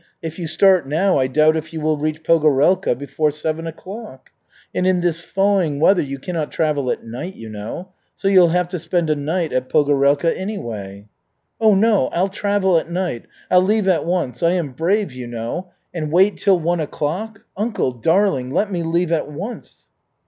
If you start now I doubt if you will reach Pogorelka before seven o'clock. And in this thawing weather you cannot travel at night, you know. So you'll have to spend a night at Pogorelka anyway." "Oh, no! I'll travel at night. I'll leave at once. I am brave, you know. And wait till one o'clock? Uncle, darling! Let me leave at once."